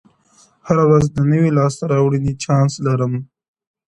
هره ورځ د نوې لاسته راوړنې چانس لري!